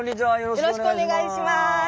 よろしくお願いします。